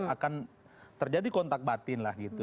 akan terjadi kontak batin lah gitu